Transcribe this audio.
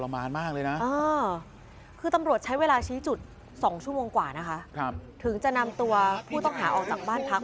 มานมากเลยนะคือตำรวจใช้เวลาชี้จุด๒ชั่วโมงกว่านะคะถึงจะนำตัวผู้ต้องหาออกจากบ้านพัก